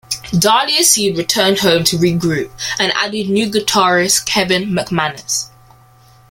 Dahlia Seed returned home to re-group, and added new guitarist Kevin McManus.